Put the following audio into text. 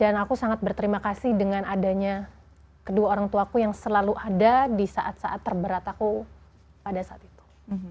dan saya sangat berterima kasih dengan adanya kedua orang tuaku yang selalu ada di saat saat terberat aku pada saat itu